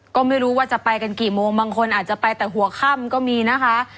ก็ไม่รู้ว่าจะไปกันกี่โมงบางคนอาจจะไปแต่หัวค่ำก็มีนะคะ